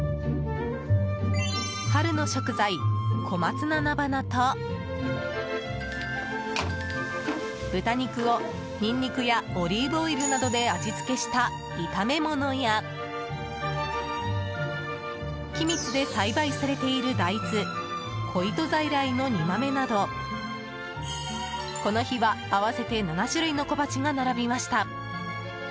春の食材、小松菜菜花と豚肉をニンニクやオリーブオイルなどで味付けした炒め物や君津で栽培されている大豆小糸在来の煮豆などこの日は合わせて７種類の小鉢が並びました。